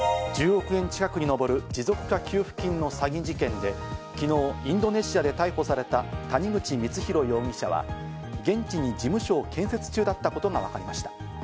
１０億円近くに上る持続化給付金の詐欺事件で昨日、インドネシアで逮捕された谷口光弘容疑者は、現地に事務所を建設中だったことがわかりました。